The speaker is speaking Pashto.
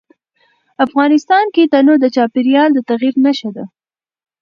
افغانستان کې تنوع د چاپېریال د تغیر نښه ده.